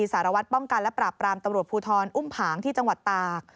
สารวัตรป้องกันและปราบปรามตำรวจภูทรอุ้มผางที่จังหวัดตาก